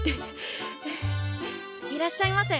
いらっしゃいませ。